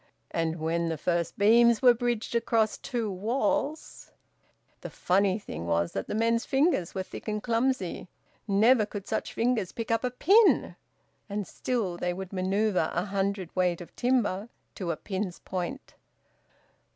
And when the first beams were bridged across two walls... The funny thing was that the men's fingers were thicky and clumsy. Never could such fingers pick up a pin! And still they would manoeuvre a hundredweight of timber to a pin's point.